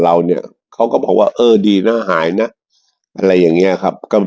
เราเนี่ยเขาก็บอกว่าเออดีนะหายนะอะไรอย่างเงี้ยครับก็